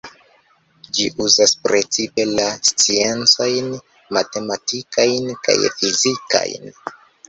Ĝi uzas precipe la sciencojn matematikajn kaj fizikajn.